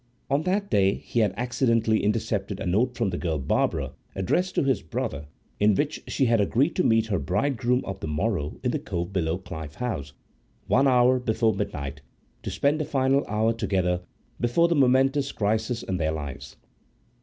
On that day he had accidentally intercepted a note from the girl Barbara, addressed to his brother, in which she had agreed to meet her bridegroom of the morrow in the cove below Clyffe House one hour before midnight, to spend a final hour together before the momentous crisis in their lives.